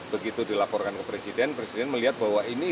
begitu dilaporkan ke presiden presiden melihat bahwa ini